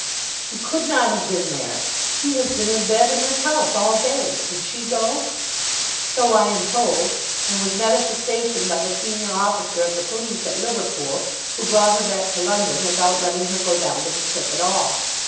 "He could not have been there. He has been in bed in this house all day. Did she go?" "So I am told; and was met at the station by the senior officer of the police at Liverpool, who brought her back to London without letting her go down to the ship at all.